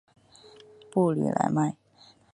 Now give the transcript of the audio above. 布吕莱迈。